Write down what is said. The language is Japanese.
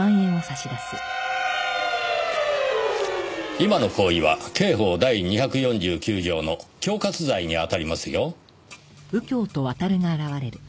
今の行為は刑法第２４９条の恐喝罪に当たりますよ。